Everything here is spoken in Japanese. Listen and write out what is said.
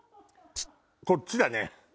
こっちだね！